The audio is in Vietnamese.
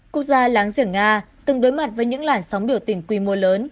quốc gia láng giềng nga từng đối mặt với những làn sóng biểu tình quy mô lớn